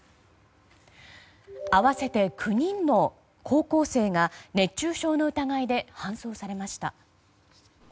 合わせて９人の高校生が熱中症の疑いで搬送されました。